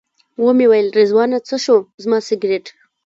ومې ویل رضوانه څه شو زما سګرټ.